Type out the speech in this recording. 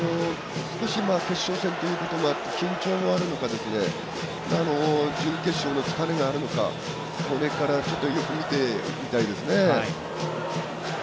決勝戦ということで緊張はあるのか準決勝の疲れがあるのかこれからよく見ていきたいですね。